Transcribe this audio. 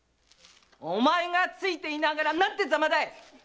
お前がついていながら何てザマだい！